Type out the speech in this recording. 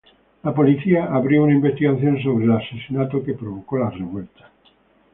La policía abrió una investigación sobre el asesinato que provocó la revuelta.